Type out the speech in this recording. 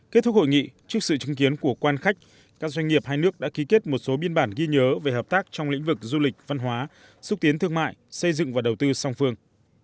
kết thúc hội nghị trước sự chứng kiến của quan khách các doanh nghiệp hai nước đã ký kết một số biên bản ghi nhớ về hợp tác trong lĩnh vực du lịch văn hóa xúc tiến thương mại xây dựng và đầu tư song phương